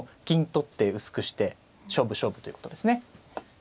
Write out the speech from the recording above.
銀取って薄くして勝負勝負ということですね。